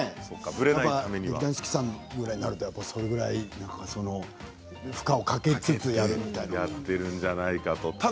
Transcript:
劇団四季さんぐらいになるとそれぐらい負荷をかけつつやるんじゃないかと。